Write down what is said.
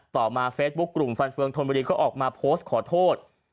ต่อมาเฟซบุ๊คกลุ่มฟันเฟืองธนบุรีก็ออกมาโพสต์ขอโทษ